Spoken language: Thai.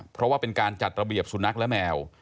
เพราะว่าเป็นการจัดระเบียบสุนัขและแมว